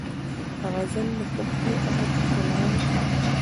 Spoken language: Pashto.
غزل د پښتو ادب ښکلا ده.